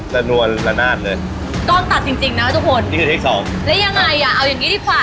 แล้วยังไงเอายังงีดิค่ะ